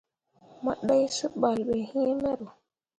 Mo ɗai seɓal ɓe iŋ mero.